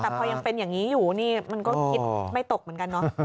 แต่พอยังเป็นอย่างนี้อยู่มันก็อิ่มไม่ตกเหมือนกัน